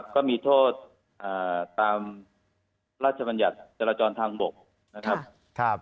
ก็มีโทษตามราชบัญญัติจรจรทางบก